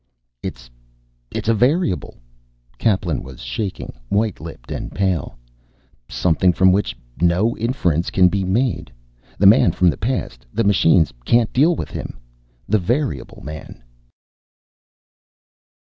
"It's it's a variable." Kaplan was shaking, white lipped and pale. "Something from which no inference can be made. The man from the past. The machines can't deal with him. The variable man!"